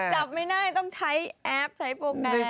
จับไม่ได้ต้องใช้แอปใช้โปรแกรม